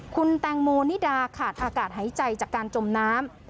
คุณแตงโมนิดาขาดอากาศหายใจจากการจมน้ำ